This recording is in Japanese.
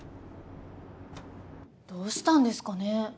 どうしたんですかね？